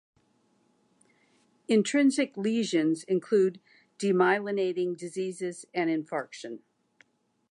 Intrinsic lesions include demyelinating diseases and infarction.